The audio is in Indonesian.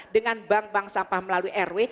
dengan bank bank sampah melalui rw